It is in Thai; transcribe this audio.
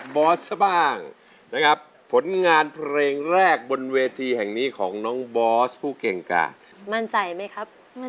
กลับถึงบ้านหน้าเธอน่ะความดีที่ยังต้องจ้า